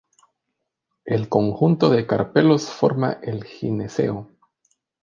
El conjunto de carpelos forma el gineceo.